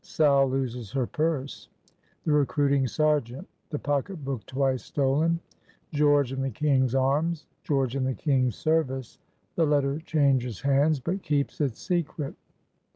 —SAL LOSES HER PURSE.—THE RECRUITING SERGEANT.—THE POCKET BOOK TWICE STOLEN.—GEORGE IN THE KING'S ARMS.—GEORGE IN THE KING'S SERVICE.—THE LETTER CHANGES HANDS, BUT KEEPS ITS SECRET.